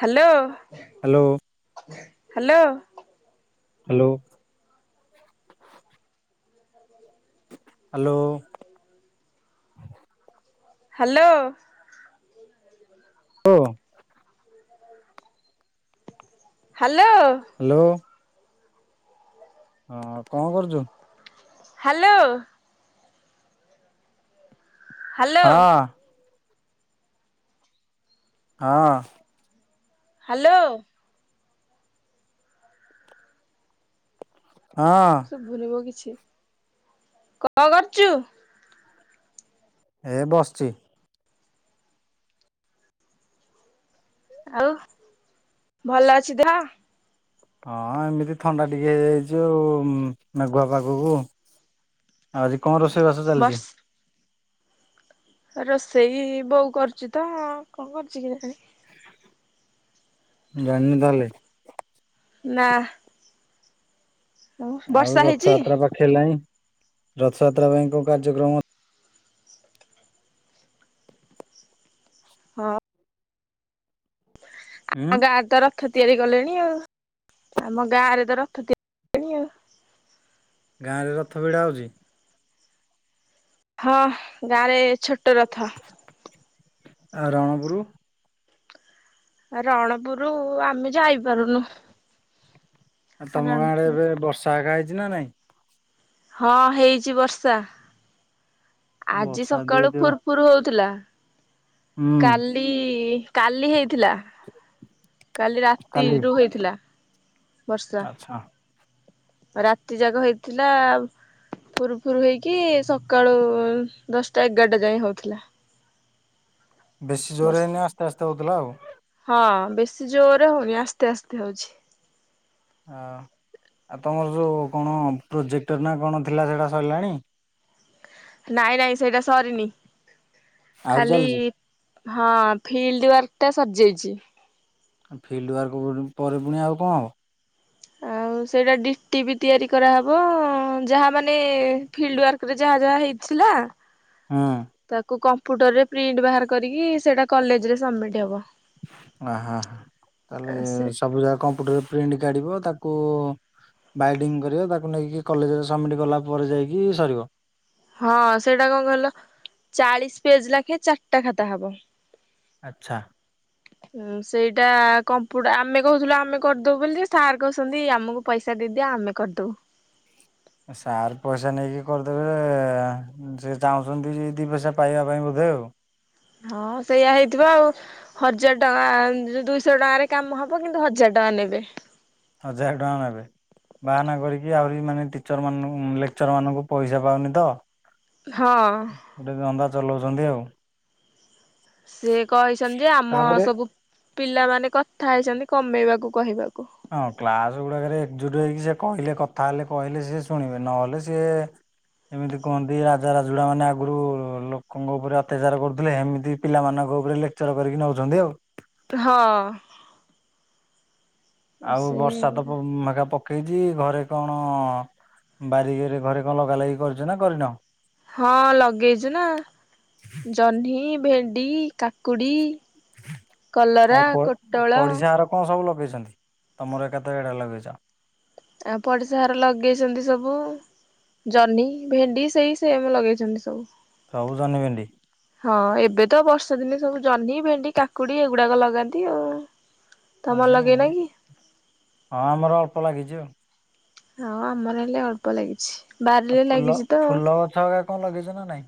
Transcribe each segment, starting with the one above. Hello. Hello. Hello. Hello. Hello. Hello. ହ hello. Hello. ହଁ କଣ କରୁଚୁ? ହ୍ୟାଲୋ। ହ୍ୟାଲୋ। ହଁ ହଁ। ହ୍ୟାଲୋ। ହଁ। ଶୁଭୁନିମ କିଛି କଣ କରୁଚୁ? ଏ ବସିଚି। ଆଉ ଭଲ ଅଛି ଦେହ? ହଁ ଏମିତି ଥଣ୍ଡା ଟିକେ ହେଇଯାଇଛି ଆଉ ମେଘୁଆ ପାଗକୁ ଆଜି କଣ ରୋଷେଇବାସ ବର୍ଷ ଚାଲିଚି? ରୋଷେଇ ବୋଉ କରୁଚି ତ କଣ କରୁଚି କେଜାଣି। ଜାଣିନୁ ତାହେଲେ ନା। ଆଉ ବର୍ଷା ହେଇଚି ରଥଯାତ୍ରା ପାଖେଇଲାଣି, ରଥଯାତ୍ରା ପାଇଁ କଉ କାର୍ଯ୍ୟକ୍ରମ ହଁ। ଆମ ଉଁ ଗାଁ ରେ ତ ରଥ ତିଆରି କଲେଣି ଆଉ, ଆମ ଗାଁ ରେ ତ ରଥ ତିଆରି ଆଉ ଗାଁରେ ରଥ ଭିଡ଼ା ହେଉଛି? ହଁ, ଗାଁ ରେ ଛୋଟ ରଥ। ଆ ରଣପୁରୁ ରଣପୁର ଆମେ ଯାଇପାରୁନୁ। ଆ ତମ ଗାଁରେ ରଣପୁର ଏବେ ବର୍ଷା ଏକା ହେଇଚି ନା ନାଇଁ? ହଁ ହେଇଚି ବର୍ଷା, ଆଜି ବର୍ଷା ସକାଳୁ ଦେଇଥିବ ଫୁର୍ ଫୁରୁ ହଉଥିଲା, ହୁଁ କାଲି, କାଲି ହେଇଥିଲା। କାଲି କାଲି ରାତିରୁ ହେଇଥିଲା ବର୍ଷା। ଆଚ୍ଛା ରାତି ଯାକ ହେଇଥିଲା। ଫୁରୁ ଫୁରୁ ହେଇକି, ସକାଳୁ ଦଶଟା ଏଗାରଟା ଯାଏ ହଉଥିଲା। ବେଶୀ ଯୋରେ ବର୍ଷା। ହେଇନି, ଆସ୍ତେ ଆସ୍ତେ ହେଉଥିଲା ଆଉ। ହଁ ବେଶୀ ଯୋରେ ହଉନି, ଆସ୍ତେ ଆସ୍ତେ ହଉଚି। ହଁ, ଆଉ ତମର ଯୋଉ କଣ ପ୍ରୋଜେକ୍ଟର ନା କଣ ଥିଲା ସେଇଟା ସରିଲାଣି? ନାଇଁ ନାଇଁ ସେଇଟା ସରିନି, ଆହୁରି ଖାଲି ଚାଲିଛି। ହଁ, ଫିଲ୍ଡ ୱାର୍କ ଟା ସରିଯାଇଚି। ଫିଲ୍ଡ ୱାର୍କ ପରେ ପୁଣି ଆଉ କଣ ହବ? ଆଉ ସେଇଟା ଡିଟି ବି ତିଆରି କରାହେବ, ଯାହା ମାନେ ଫିଲ୍ଡୱାର୍କ ଏବେ ଯାହା ଯାହା ହେଇଥିଲା ହୁଁ। ତାକୁ କମ୍ପୁଟରରେ ପ୍ରିଣ୍ଟ ବାହାର କରିକି, ସେଟା କଲେଜରେ ସବମିଟ୍ ହବ। ଅହ, ତାହଲେ ସେ ସବୁ ଜାଗା କମ୍ପ୍ୟୁଟର ପ୍ରିଣ୍ଟ କାଢିବ, ତାକୁ ବାଇଡିଙ୍ଗ କରିବ, ତାକୁ ନେଇକି କଲେଜରେ ସବମିଟ୍ କଲା ପରେ ଯାଇକି ସରିବ। ହଁ ସେଇଟା କଣ କହିଲ? ଚାଳିଶ ପେଜ୍ ଲାଖେ ଚାରିଟା ଖାତା ହବ। ଆଛା। ହୁଁ, ସେଇଟା କମ୍ପୁ ଆମେ କହୁଥିଲୁ ଆମେ କରିଦବୁ ବୋଲି ଯେ, ସାର୍ କହୁଛନ୍ତି ଆମକୁ ପଇସା ଦେଇଦିଅ, ଆମେ କରିଦବୁ। ସାର୍ ପଇସା ନେଇକି କରିଦେବେ, ସେ ଚାହୁଁଛନ୍ତି କି ଦି ପଇସା ପାଇବା ପାଇଁ ବୋଧେ ଆଉ। ହଁ, ସେଇଆ ହେଇଥିବ ଆଉ। ହଜାର ଟଙ୍କା, ଦୁଇଶହ ଟଙ୍କାରେ କାମ ହବ କିନ୍ତୁ ହଜାର ଟଙ୍କା ନେବେ। ହଜାର ଟଙ୍କା ନେବେ। ବାହାନା କରିକି, ଆହୁରି ମାନେ, ଟିଚର ମାନଙ୍କୁ, ଲେକ୍ଚର ମାନଙ୍କୁ ପଇସା ପାଉନି ତ? ହଁ। ଗୋଟେ ଧନ୍ଦା ଚଲଉଚନ୍ତି ଆଉ। ସେ କହିଚନ୍ତି ଯେ, ଆମ ତାପରେ ସବୁ ପିଲାମାନେ କଥା ହେଇଚନ୍ତି କମେଇବାକୁ କହିବାକୁ। ହଁ, କ୍ଲାସ ଗୁଡାକରେ ଏକଜୁଟ ହେଇକି ସେ କହିଲେ କଥା ହେଲେ କହିଲେ ସେ ଶୁଣିବେ, ନହେଲେ ସିଏ ଏମିତି କୁହନ୍ତି ରାଜା ରାଜୁଡା ମାନେ ଆଗରୁ ଲୋକଙ୍କ ଉପରେ ଅତ୍ୟାଚାର କରୁଥିଲେ, ହେମିତି ପିଲାମାନଙ୍କ ଉପରେ ଲେକ୍ଚର କରିକି ନଉଚନ୍ତି ଆଉ। ହଁ। ଆଉ ସେ ବର୍ଷା ତ ପ, ମେଘା ପ ପକେଇଚି, ଘରେ କଣ, ବାରି ଘରେ ଘରେ କଣ ଲଗା ଲାଗି କରିଚ ନା କରିନ? ହଁ ଲଗେଇଚୁ ନା। ଜହ୍ନି ଭେଣ୍ଡି କାକୁଡ଼ି କଲରା କୋଟଳ। କଁ ସବୁ ଲଗେଇଛନ୍ତି ତମର ଏକାତ ଏଇଟା ଲଗେଇଛ। ଆଉ ପଡିଶା ଘର ଲଗେଇଛନ୍ତି ସବୁ। ଜହ୍ନି ଭେଣ୍ଡି ସେଇ ସେମ ଲଗେଇଛନ୍ତି ସବୁ। ସବୁ ଜହ୍ନି ଭେଣ୍ଡି। ହଁ ଏବେ ତ ବର୍ଷା ଦିନେ ସବୁ ଜହ୍ନି ଭେଣ୍ଡି କାକୁଡି ଏଗୁଡାକ ଲଗାନ୍ତି ଆଉ। ତମର ଜହ୍ନି ଲଗେଇନା ଭେଣ୍ଡି କି? ହଁ ଆମର ଅଳ୍ପ ଲାଗିଛି ଆଉ। ହଁ ଆମର ହେଲେ ଅଳ୍ପ ଲାଗିଛି। ଆଉ ବାରିରେ ଫୁଲ ଲାଗିଛି ତ। ଫୁଲ ଗଛ ଅକା କଁ ଲଗେଇଛ ନା ନାଇଁ।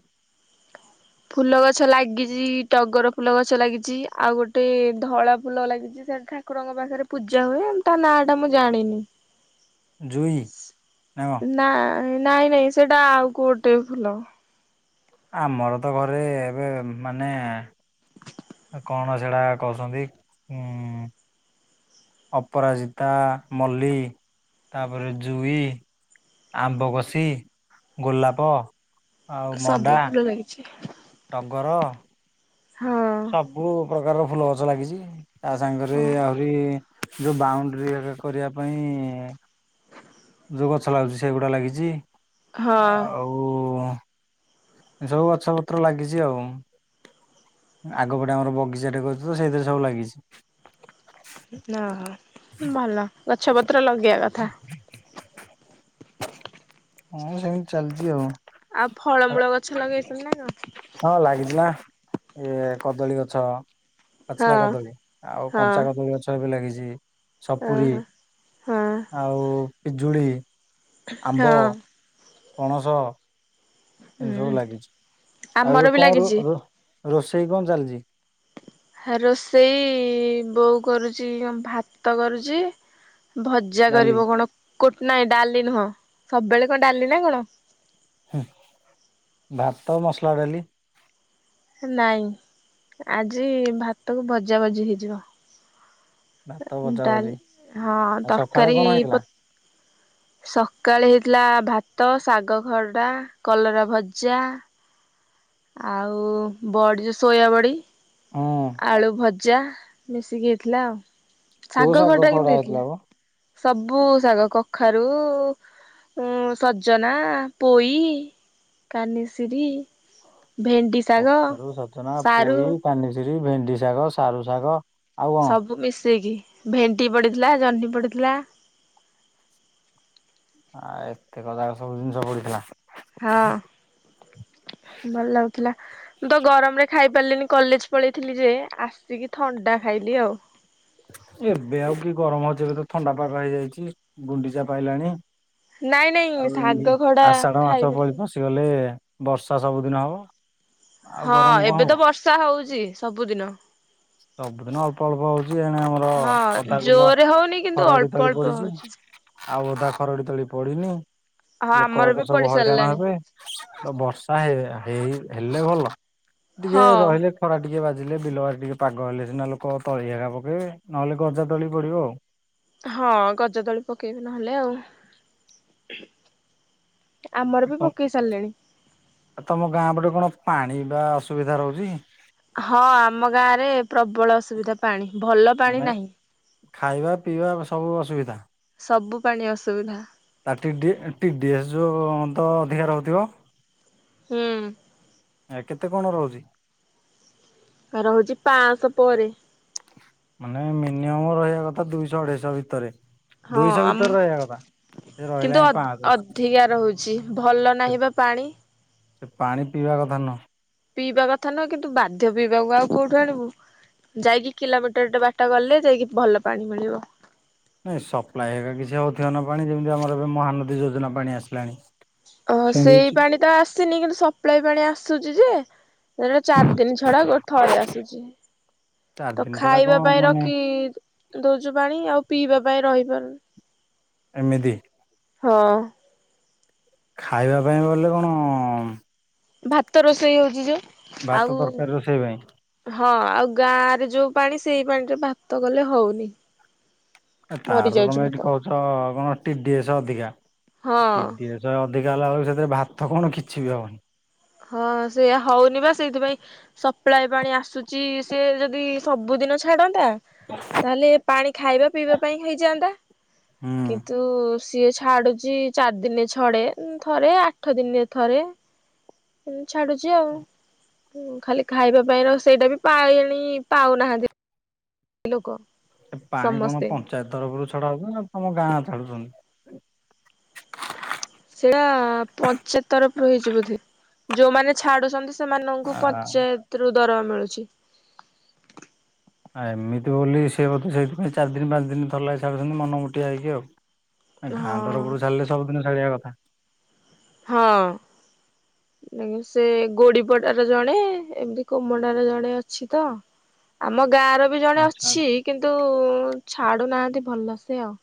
ଫୁଲ ଗଛ ଲାଗିଛି ଟଗର ଫୁଲ ଗଛ ଲାଗିଛି ଆଉ ଗୋଟେ ଧଳା ଫୁଲ ଲାଗି ଚି ସେଇଟା ଠାକୁରଙ୍କ ପାଖରେ ପୂଜା ହୁଏ ତା ନାଁ ଟା ମୁଁ ଜାଣିନି। ଜୁଇ ନା କଁ। ନା ନାଇଁ ନାଇଁ ସେଇଟା ଆଉ କୋଉ ଗୋଟେ ଫୁଲ। ଆମର ତ ଘରେ ଏବେ ମାନେ। କଣ ସେଇଟା କହୁଛନ୍ତି ଉଁ। ଅପରାଜିତା ମଲ୍ଲି ତାପରେ ଜୁଇ। ଆମ୍ବ କଷି ଗୋଲାପ। ଆଉ ମଣ୍ଡା ସବୁ ଫୁଲ ଲାଗିଛି। ଟଗର। ହଁ ସବୁ ପ୍ରକାରର ଫୁଲ ଗଛ ଲାଗିଛି ତା ସାଙ୍ଗରେ ହଁ ବି ଆହୁରି। ଯୋଉ ବାଉଣ୍ଡୁରି ଅକା କରିବା ପାଇଁ। ଯୋଉ ଗଛ ଲାଗୁଛି ସେଇଗୁଡ଼ା ଲାଗିଛି। ହଁ। ଏମିତି ସବୁ ଗଛ ପତ୍ର ଲାଗିଛି ଆଉ। ଆଗପଟେ ଆମର ବଗିଚା ଟେ କରିଛୁ ତ ସେଇଥିରେ ସବୁ ଲାଗିଛି। ଓ ହ ଭଲ ଗଛ ପତ୍ର ଲଗେଇବା କଥା। ହଁ ସେମିତି ଚାଲିଛି ଆଉ। ଆଉ ଫଳମୂଳ ଗଛ ଲଗେଇଛନ୍ତି ନା କଁ। ହଁ ଲାଗି ଥିଲା। ଇଏ କଦଳୀ ଗଛ ପାଚିଲା ହଁ କଦଳୀ ଆଉ ହଁ କଞ୍ଚା କଦଳୀ ଗଛ। ବି ଲାଗିଛି ସପୁରୀ ଓହୋ ହଁ। ଆଉ ପିଜୁଳି। ଆମ୍ବ ହଁ। ପଣସ। ଏମିତି ସବୁ ହୁଁ ଲାଗିଛି ଆଉ ଆମର ଏବେ ବି କଁ ରୋ ଲାଗିଛି। ରୋ ରୋଷେଇ କଁ ଚାଲିଛି। ରୋଷେଇ ବୋଉ କରୁଛି କଁ ଭାତ କରୁଛି। ଭଜା ଡାଲି କରିବ କଣ କୋଟ୍ ନାହିଁ ଡାଲି ନୁହଁ ସବୁବେଳେ କଣ ଡାଲି ନାାଇଁ କଣ। ହୁଁ ଭାତ ମସଲା ଡାଲି। ନାଇଁ ଆଜି ଭାତ କୁ ଭଜା ଭଜି ହେଇଯିବ। ଭାତ ଭଜା ଭଜି ଡାଲି ହଁ ଆଉ ସଖାଳେ ତରକାରୀ କଣ ପ ହେଇଥିଲା। ସକାଳେ ହେଇଥିଲା ଭାତ ଶାଗ ଖରଡ଼ା କଲରା ଭଜା। ଆଉ ବଡି ଯୋଉ ସୋୟା ବଡି। ହୁଁ ଆଳୁ ଭଜା ମିଶିକି ହେଇଥିଲା ଆଉ କୋଉ ଶାଗ ଖରଡ଼ା ଖଡା କିନ୍ତ ହେଇଥିଲା। ମ ସବୁ ଶାଗ କଖାରୁ। ଉଁ ସଜନା ପୋଇ କାନିସିରି। ଭେଣ୍ଡି। ଶାଗ କଖାରୁ, ସଜନା, ସାରୁ ପୋଇ, କାନିସିରି, ଭେଣ୍ଡି ଶାଗ, ସାରୁ ଶାଗ। ଆଉ କଣ ସବୁ ମିଶେଇକି ଭେଣ୍ଡି ପଡିଥିଲା, ଜହ୍ନି ପଡିଥିଲା। ଆ ଏତେ [unintelligible] ସବୁ ଜିନିଷ ପଡିଥିଲା। ହଁ ଭଲ ଲାଗୁଥିଲା। ଦ ଗରମରେ ଖାଇ ପାଇଲିନି କଲେଜ ପଳେଇଥିଲି ଯେ ଆସିକି ଥଣ୍ଡା ଖାଇଲି ଆଉ। ଏବେ ଆଉ କି ଗରମ ହଉଛି ଏବେ ତ ଥଣ୍ଡା ପାଗ ହେଇଯାଇଛି ଗୁଣ୍ଡିଚା ପାଇଲାଣି। ନାଇଁ ନାଇଁ ଆଉ ଏ ଶାଗ ଖଡା ଆଷାଢ ମାସ ପ ଖାଇପାରିବି। ପସିଗଲେ ବର୍ଷା ସବୁଦିନ ହବ। ଆଉ ହଁ ଗରମ କଣ ଏବେ ହବ ତ ବର୍ଷା ହଉଛି ସବୁଦିନ। ସବୁଦିନ ଅଳ୍ପ ଅଳ୍ପ ହଉଛି ଏଣେ ଆମର ହଁ ଅଧା ବିଲ ଜୋରରେ ହଉନି କିନ୍ତୁ ଖରଡି ଅଳ୍ପ ତଳି ଅଳ୍ପ ପଡିଛି। ହଉଛି। ଆଉ ଅଧା ଖରଡି ତଳି ପଡିିନି ହଁ ଲୋକ ଆମର ବି ବାକ ପଡି ସବୁ ହଇରାଣ ସାରିଲାଣି। ହେବେ। ବର୍ଷା ହେଇ ହେଇ ହେଲେ ଭଲ ଟିକେ ହଁ ରହିଲେ ଖରା ଟିକେ ବାଜିଲେ ବିଲ ବାରି ଟିକେ ପାଗ ହେଲେ ସିନା ଲୋକ ତଳି ଏକା ପକେଇବେ ନହଲେ ଗଜା ତଳି ପଡ଼ିବ ଆଉ। ହଁ ଗଜା ତଳି ପକେଇବେ ନହେଲେ ଆଉ। ଆମର ବି ଆଉ ପକେଇ ସାରିଲେଣି। ତମ ଗାଁ ପଟେ କଣ ପାଣି ବା ଅସୁବିଧା ରହୁଛି? ହଁ ଆମ ଗାଁରେ ପ୍ରବଳ ଅସୁବିଧା ପାଣି ଭଲ ପାଣି ମାନେ ନାହିଁ। ଖାଇବା ପିଇବା ସବୁ ଅସୁବିଧା? ସବୁ ପାଣି ଅସୁବିଧା। ତାଟିଡି ଟିଡ଼ିଏସ ଯୋଉ ତ ଅଧିକା ରହୁଥିବ? ହୁଁ। ଆ କେତେ କଣ ରହୁଛି? ରହୁଛି ପାଁଶ ପରେ। ମାନେ ମିନିମମ ରହିବା କଥା ଦୁଇଶ ଅଢେଇଶ ଭିତରେ। ହଁ ଦୁଇଶ ଆମ ଭିତରେ ରହିବା କଥା। ସେ ରହିଲା କିନ୍ତୁ ଅ ହିଁ ପାଞ୍ଚଶହ ସେ ଅଧିକା ରହୁଛି ଭଲ ନାହିଁ ବା ପାଣି। ପାଣି ପିଇବା କଥା ନୁହଁ। ପିଇବା କଥା ନୁହଁ କିନ୍ତୁ ବାଧ୍ୟ ପିଇବାକୁ ଆଉ କୋଉଠୁ ଆଣିବୁ? ଯାଇକି କିଲମିଟର ଟେ ବାଟ ଗଲେ ଯାଇକି ଭଲ ପାଣି ମିଳିବ। ନାଇଁ ସପ୍ଲାଏ ହେଇଗା କିଛି ହେଉଥିବ ନା ପାଣି ଯେମିତି ଆମର ଏବେ ମହାନଦୀ ଯୋଜନା ପାଣି ଆସିଲାଣି। ଓ ସେମିତି ସେଇ କିଛି ପାଣି ତ ଆସିନି କିନ୍ତୁ ସପ୍ଲାଇ ପାଣି ଆସୁଚି ଯେ ସେଟା ଚାରି ଦିନ ଛଡା ଗୋ ଥରେ ଆସୁଛି। ଚାରି ତ ଦିନ ଛଡା ଖାଇବା କଣ ପାଇଁ ମାନେ ରଖି ଦଉଛୁ ପାଣି ଆଉ ପିଇବା ପାଇଁ ରହିପାରୁନି। ଏମିତି? ହଁ। ଖାଇବା ପାଇଁ ବଲେ କଣ ଭାତ ରୋଷେଇ ହଉଛି ଯୋଉ। ଭାତ ଆଉ ତରକାରୀ ରୋଷେଇ ପାଇଁ ହଁ ଆଉ ଗାଁ ରେ ଯୋଉ ପାଣି ସେଇ ପାଣିରେ ଭାତ କଲେ ହଉନି। ଏ ତାର ତମେ ମରିଯାଉଛି ଏଇଠି ଭାତ କହୁଛ କଣ ଟିଡିଏସ୍ ଅଧିକା ହଁ। ଟିଡିଏସ୍ ଯେ ଅଧିକା ହେଲା ବେଳୁ ସେଥିରେ ଭାତ କଣ କିଛି ବି ହବନି। ହଁ ସେଇଆ ହଉନି ବା ସେଇଥିପାଇଁ। ସପ୍ଲାଏ ପାଣି ଆସୁଛି ସେ ଯଦି ସବୁଦିନ ଛାଡ଼ନ୍ତା ତାହେଲେ ପାଣି ଖାଇବା ପିଇବା ପାଇଁ ହେଇଯାଆନ୍ତା ହୁଁ। କି ତୁ ସିଏ ଛାଡୁଚି ଚାରି ଦିନେ ଛଡେ ଥରେ ଆଠ ଦିନେ ଥରେ। ଛାଡୁଛି ଆଉ, ଖାଲି ଖାଇବା ପାଇଁ ରୋଷେଇ ଟା ବି ପା ଏଣି ପାଉନାହାନ୍ତି ଲୋକ ଏ ପାଣି କଣ ସମସ୍ତେ ପଞ୍ଚାୟତ ତରଫରୁ ଛଡା ହଉଛି ନା ତମ ଗାଁ ଛାଡୁଛନ୍ତି? ସେଇଟା ପଞ୍ଚାୟତ ତରଫରୁ ହେଇଛି ବୋଧେ, ଯୋଉମାନେ ଛାଡୁଛନ୍ତି ସେମାନଙ୍କୁ ଆ ପଞ୍ଚାୟତରୁ ଦରମା ମିଳୁଛି। ଆ ଏମିତି ବୋଲି ସିଏ ବୋଧେ ସେଇଥିପାଇଁ ଚାର ଦିନ ପାଞ୍ଚ ଦିନ ଥରେଲେଖେ ଛାଡୁଛନ୍ତି ମନମୋଟିଆ ହେଇକି ଆଉ। ଏ ଖାଁ ହଁ ତରଫରୁ ଛାଡ଼ିଲେ ସବୁଦିନ ଛାଡିବା କଥା। ହଁ। ସେ ଗୋଡିପଡାର ଜଣେ ଏମିତି କୋମଣ୍ଡାର ଜଣେ ଅଛି ତ। ଆମ ଗାଁ ର ବି ଜଣେ ଆଚ୍ଛା ଅଛି କିନ୍ତୁ ଛାଡୁନାହାନ୍ତି ଭଲ ସେ ଆଉ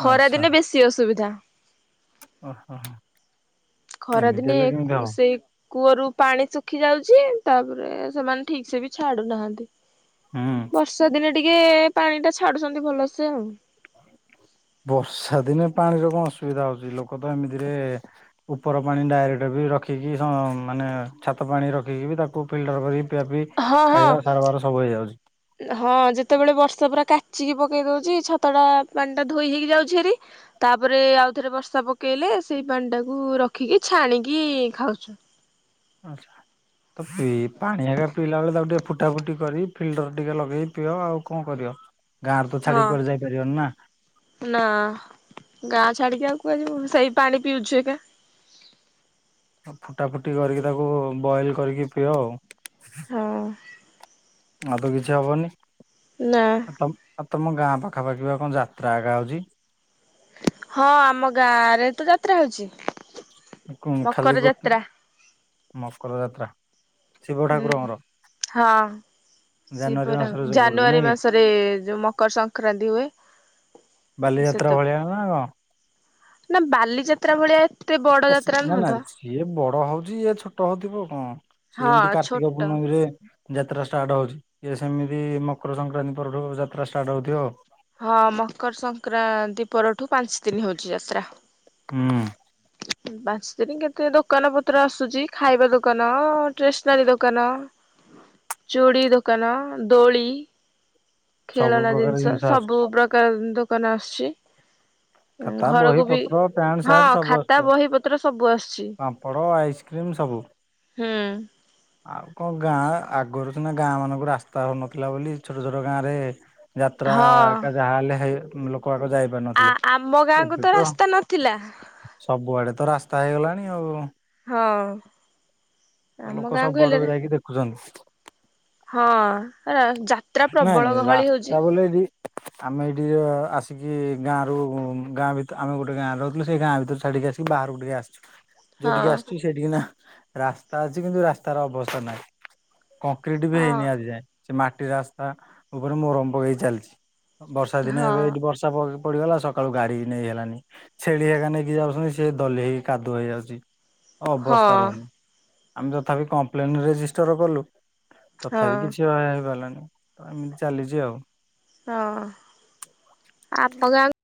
ଖରା ଦିନେ ବେଶୀ ଅସୁବିଧା। ଓ ହୋ। ଖରାଦିନେ ସେଇ କୂଅରୁ ପାଣି ଶୁଖି ଯାଉଛି ତାପରେ ସେମାନେ ଠିକ୍ ସେ ବି ଛାଡୁନାହାନ୍ତି। ହୁଁ ବର୍ଷା ଦିନେ ଟିକେ ପାଣି ଟା ଛାଡୁଛନ୍ତି ଭଲସେ ଆଉ। ବର୍ଷା ଦିନେ ପାଣିର କଣ ଅସୁବିଧା ହେଉଛି, ଲୋକ ତ ଏମିତିରେ ଉପର ପାଣି ଡାଇରେକ୍ଟ ବି ରଖିକି ହଁ ମାନେ ଛାତ ପାଣି ରଖିକି ବି ତାକୁ ପିଲଟର କରିକି ପିଆ ପିଇ ହଁ ହଁ ଖାଇବା ସାରବାର ସବୁ ହେଇଯାଉଛି। ହଁ ଯେତେବେଳେ ବର୍ଷା ପୁରା କାଚିକି ପକେଇ ଦେଉଛି, ଛତା ଟା ପାଣି ଟା ଧୋଇ ହେଇକି ଯାଉଛି ହେରି ତାପରେ ଆଉ ଥରେ ବର୍ଷା ପକେଇଲେ ସେଇ ପାଣି ଟା କୁ ରଖିକି ଛାଣିକି ଖାଉଛୁ। ଆଚ୍ଛା। ତ ପିଇ ପାଣି ଏକା ପିଇଲା ବେଳେ ତାକୁ ଟିକେ ଫୁଟା ଫୁଟି କରି, ଫିଲ୍ଟର ଟିକେ ଲଗେଇ ପିଅ ଆଉ କଣ କରିବ? ଗାଁର ତ ଛାଡିକି ହଁ ଯାଇ ପାରିବନି ନା। ନା ଗାଁ ଛାଡିକି ଆଉ କୁଆଡେ ଯିବୁ। ସେଇ ପାଣି ପିଉଛୁ ଏକା ଫୁଟା ଫୁଟି କରିକି ତାକୁ ବଏଲ୍ କରିକି ପିଅ ଆଉ। ହଁ। ଆଉ ତ କିଛି ହବନି। ନା। ତମ ଆଉ ତମ ଗାଁ ପାଖାପାଖି ପା କଣ ଯାତ୍ରା କା ହେଉଛି? ହଁ ଆମ ଗାଁରେ ତ ଯାତ୍ରା ହେଉଛି। କଣ ଖାଲି ଗୋଟେ ମକର ଯାତ୍ରା ଶିବ ହୁଁ ଠାକୁରଙ୍କର ହଁ। ଜାନୁଆରୀ ଶିବ ମାସରେ ଠାକୁର, ଯୋଉ ପଡୁଛି ଜାନୁଆରୀ ନାଇଁ କି ମାସରେ ଯେଉଁ ମକର ସଂକ୍ରାନ୍ତି ହୁଏ। ବାଲିଯାତ୍ରା ସେତେବେଳେ ଭଳିଆ ନା କଣ? ନା ବାଲିଯାତ୍ରା ଭଳିଆ ଏତେ ବଡ ଆ ସେ ଯାତ୍ରା ନା ନୁହଁ ନା ତ ଯିଏ ବଡ଼ ହେଉଛି ଇଏ ଛୋଟ ହେଉଥିବ ଆଉ କଣ। ସେ ହଁ ଯେମିତି କାର୍ତ୍ତିକ ଛୋଟ ପୂର୍ଣ୍ଣମୀ ରେ ଯାତ୍ରା ଷ୍ଟାର୍ଟ ହେଉଛି ଇଏ ସେମିତି ମକର ସଂକ୍ରାନ୍ତି ପରଠୁ ଯାତ୍ରା ଷ୍ଟାର୍ଟ୍ ହେଉଥିବ ଆଉ। ହଁ ମକର ସଂକ୍ରାନ୍ତି ପରଠୁ ପାଞ୍ଚ ଦିନ ହେଉଛି ଯାତ୍ରା। ହୁଁ। ପାଞ୍ଚ ଦିନି କେତେ ଦୋକାନ ପତ୍ର ଆସୁଛି ଖାଇବା ଦୋକାନ, ଟେସନାରୀ ଦୋକାନ ଚୁଡ଼ି ଦୋକାନ, ଦୋଳି ସବୁ ଖେଳନା ପ୍ରକାର ଜିନିଷ, ସବୁ ଆସୁଛି ପ୍ରକାର ଦୋକାନ ଆସୁଛି। ଖାତା ବହି ଘରକୁ ବି ପତ୍ର ପ୍ୟାଣ୍ଟ ହଁ ସାର୍ଟ ଖାତା ବହି ପତ୍ର ସବୁ ଆସୁଛି। ବଡ଼ ଆଇସକ୍ରିମ୍ ସବୁ। ହୁଁ ଆଉ କଣ ଗାଁ ଆଗରୁ ସିନା ଗାଁ ମାନଙ୍କୁ ରାସ୍ତା ହେଉନଥିଲା ବୋଲି ଛୋଟ ଛୋଟ ଗାଁ ରେ ଯାତ୍ରା ହଁ। ଯାହା ହେଲେ ହେଇ କୁଆଡୁ ଯାଉପାରୁ ଆ ନଥିଲେ ଆମ ଗାଁକୁ ଏବେ ତ ରାସ୍ତା ନଥିଲା ସବୁଆଡେ ତ ରାସ୍ତା ହେଇଗଲାଣି ଆଉ। ହଁ ଆମ ଲୋକ ସବୁ ଗାଁକୁ ହେଲେ ବଡ ବି ଯାଇକି ଦେଖୁଛନ୍ତି। ହଁ ଯାତ୍ରା ନାଇଁ ପ୍ରବଳ ଗହଳି ହେଉଛି। [unintelligible] ଆମେ ଏଇଠି ଆସିକି ଗାଁ ରରୁ ଗାଁ ଭିତରେ ଆମେ ଗୋଟେ ଗାଁ ରହୁଥିଲୁ ସେଇ ଗାଁ ଭିତରେ ଛାଡିକି ଆସିକି ବାହାରକୁ ଟିକେ ଆସିଛୁ। ହଁ ଯୋଉଠିକି ଆସୁଛି ସେଠିକି ନା ରାସ୍ତା ଅଛି କିନ୍ତୁ ରାସ୍ତାର ଅବସ୍ଥା ନାହିଁ। କଂକ୍ରିଟ ବି ହଁ ହେଇନି ଆଜି ଯାଏ ସେ ମାଟି ରାସ୍ତା ଉପରେ ମୋରମ ପକେଇ ଚାଲିଛି। ବର୍ଷା ଦିନେ ହଁ ଏବେ ଏଠି ବର୍ଷା ପଡିଗଲା ସକାଳୁ ଗାଡି ନେଇ ହେଲାନି ଛେଳି ହେ ଏକ ନେଇକି ଯାଉଛନ୍ତି ସିଏ ଦଲି ହେକି କାଦୁ ହେଇଯାଉଛି। ଅବସ୍ଥା ହଁ। ରହନ ଆମେ ଯଥାପି କମ୍ପ୍ଲେନ ରେଜିଷ୍ଟର କଲୁ ହଁ ତଥାପି କିଛି ଅଆ ହେଇପାରିଲାନି ତ ଏମିତି ଚାଲିଛି ଆଉ। ହଁ ଆ ବଗା